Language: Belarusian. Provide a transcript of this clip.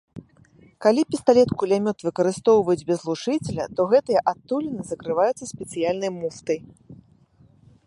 Калі пісталет-кулямёт выкарыстоўваюць без глушыцеля, то гэтыя адтуліны закрываюцца спецыяльнай муфтай.